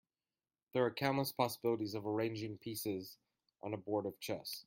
There are countless possibilities of arranging pieces on a board of chess.